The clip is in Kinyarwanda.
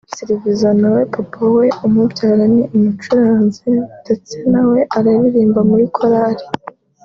Sylvizo nawe papa umubyara ni umucuranzi ndetse nawe aririmba muri korari